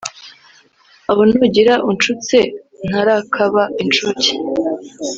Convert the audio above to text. aho ntugira uncutse ntarakaba incuke